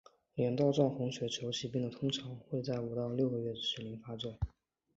镰刀状红血球疾病的问题通常会在五到六个月龄时发作。